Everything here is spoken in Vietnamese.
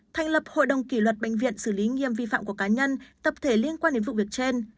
thành lập hội đồng kỷ luật bệnh viện xử lý nghiêm vi phạm của cá nhân tập thể liên quan đến vụ việc trên